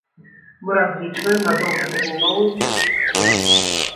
Мы разлічваем на доўгатэрміновую перспектыву.